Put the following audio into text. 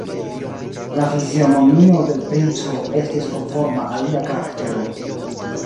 La fizionomio de l' princo estis konforma al lia karaktero.